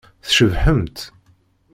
Tcebḥemt.